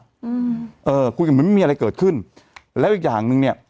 อืมเออคุยกันเหมือนไม่มีอะไรเกิดขึ้นแล้วอีกอย่างหนึ่งเนี้ย